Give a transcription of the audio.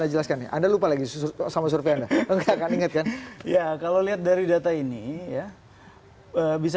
dijelaskan anda lupa lagi susu sama survei anda enggak kan iya kalau lihat dari data ini ya bisa